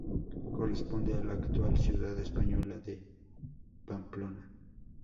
Corresponde a la actual ciudad española de Pamplona.